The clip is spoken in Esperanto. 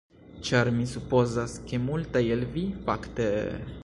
Ĉar, mi supozas ke multaj el vi, fakte...